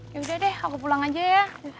yaudah deh aku pulang aja ya